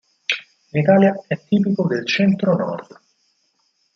In Italia è tipico del Centro-Nord.